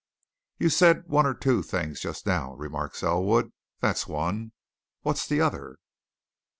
"You said one or two other things just now," remarked Selwood. "That's one what's the other?"